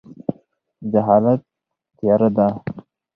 جهالت تیاره ده.